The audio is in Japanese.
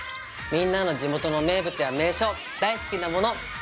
みんなの地元の名物や名所大好きなもの。